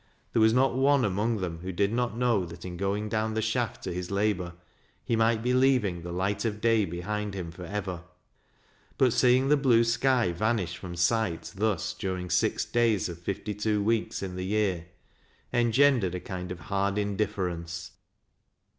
There was not one among them who did not know that in going down the shaft to his labor, he might be leaving the light of day behind hitn forever. But seeing the blue sky vanish from sight thus during six days of fifty two weeks in the year, engendered a kind of hard indifference.